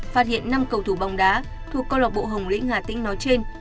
phát hiện năm cầu thủ bóng đá thuộc cơ lộc bộ hồng lĩnh hà tĩnh nói trên